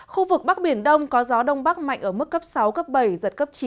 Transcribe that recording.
khu vực bắc biển đông có gió đông bắc mạnh ở mức cấp sáu cấp bảy giật cấp chín